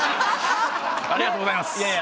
ありがとうございます。